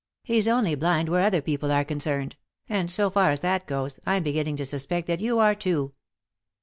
He's only blind where other people are concerned ; and, so far as that goes, I'm beginning to suspect that you are too."